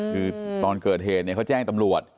คือตอนเกิดเฮทเนี่ยแจ้งตำรวจ